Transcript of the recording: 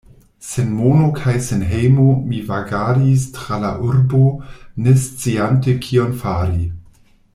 Sen mono kaj sen hejmo mi vagadis tra la urbo, ne sciante kion fari...